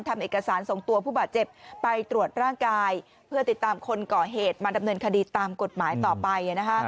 ทำเอกสารส่งตัวผู้บาดเจ็บไปตรวจร่างกายเพื่อติดตามคนก่อเหตุมาดำเนินคดีตามกฎหมายต่อไป